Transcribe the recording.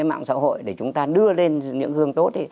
mạng xã hội để chúng ta đưa lên những hương tốt